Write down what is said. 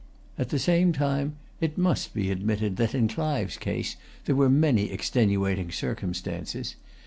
At the same time, it must be admitted that, in Clive's case, there were many extenuating circumstances.